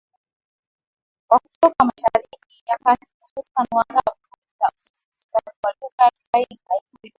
wa kutoka Mashariki ya Kati hususani Waarabu Aidha husisitiza kuwa lugha ya Kiswahili haikuwepo